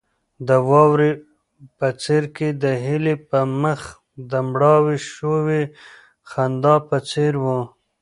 د واورې بڅرکي د هیلې پر مخ د مړاوې شوې خندا په څېر وو.